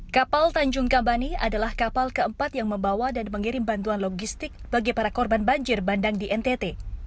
kapal tanjung kambani adalah kapal keempat yang membawa dan mengirim bantuan logistik bagi para korban banjir bandang di ntt